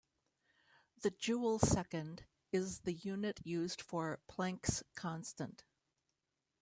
The joule-second is the unit used for Planck's constant.